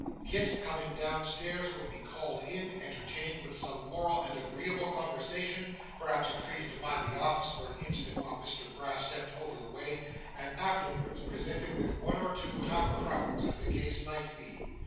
Kit coming down stairs would be called in; entertained with some moral and agreeable conversation; perhaps entreated to mind the office for an instant while Mr Brass stepped over the way; and afterwards presented with one or two half crowns as the case might be.